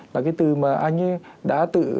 là cái từ mà anh ấy đã tự